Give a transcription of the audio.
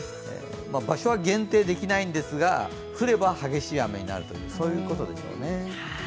場所は限定できないんですが降れば激しい雨になるということですね。